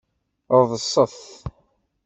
Ḍset!